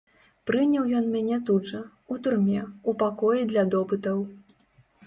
Прыняў ён мяне тут жа, у турме, у пакоі для допытаў.